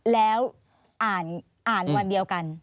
แล้วอ่านวันเดียวกัน